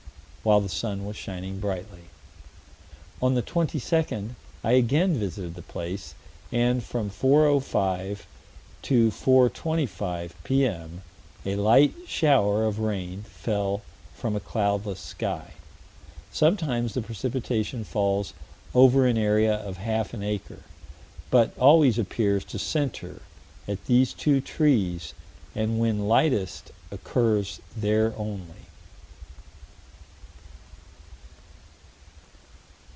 while the sun was shining brightly. On the 22nd, I again visited the place, and from 4:05 to 4:25 P.M., a light shower of rain fell from a cloudless sky.... Sometimes the precipitation falls over an area of half an acre, but always appears to center at these two trees, and when lightest occurs there only."